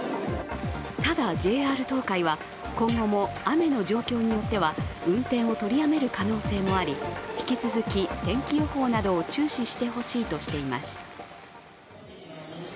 ただＪＲ東海は今後も雨の状況によっては運転を取りやめる可能性もあり、引き続き天気予報などを注視してほしいとしています。